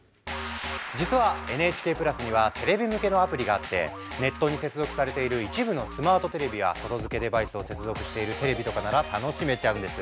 実はＮＨＫプラスにはテレビ向けのアプリがあってネットに接続されている一部のスマートテレビや外付けデバイスを接続しているテレビとかなら楽しめちゃうんです。